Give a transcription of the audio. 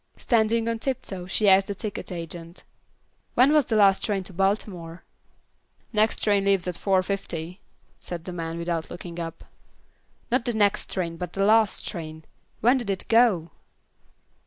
Standing on tiptoe she asked the ticket agent. "When was the last train to Baltimore?" "Next train leaves at 4:50," said the man, without looking up. "Not the next train, but the last train. When did it go?"